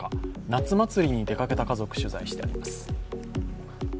夏祭りに出かけた家族、取材しています。